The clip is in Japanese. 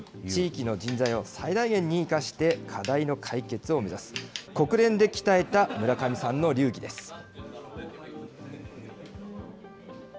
地域の人材を最大限に生かして、課題の解決を目指す、国連で鍛えた村上さんの流儀です。